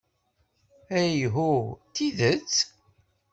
Ihuh, d tidet?